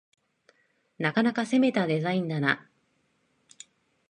なかなか攻めたデザインだな